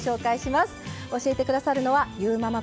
教えて下さるのはゆーママ